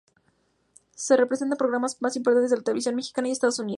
Se presentan en los programas más importantes de la televisión Mexicana y Estados Unidos.